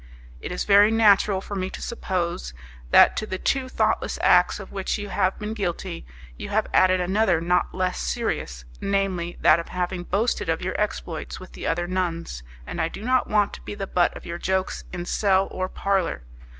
It is very natural for me to suppose that to the two thoughtless acts of which you have been guilty, you have added another not less serious, namely, that of having boasted of your exploits with the other nuns, and I do not want to be the butt of your jokes in cell or parlour.